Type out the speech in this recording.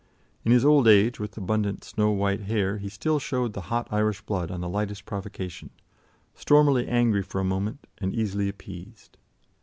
In his old age, with abundant snow white hair, he still showed the hot Irish blood on the lightest provocation, stormily angry for a moment and easily appeased.